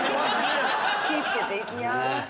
気ぃ付けていきや。